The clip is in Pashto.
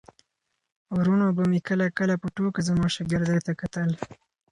وروڼو به مې کله کله په ټوکه زما شاګردۍ ته کتل.